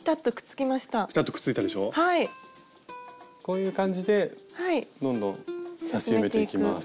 こういう感じでどんどん刺し埋めていきます。